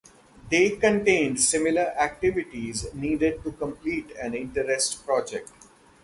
They contained similar activities needed to complete an Interest Project.